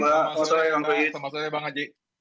selamat sore bang aji